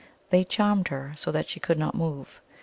They charmed her so that she could not move.